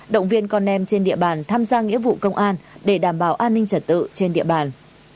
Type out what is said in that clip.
động viên con em trên địa bàn tham gia nghĩa vụ công an để đảm bảo an ninh trật tự trên địa bàn